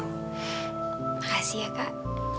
makasih ya kak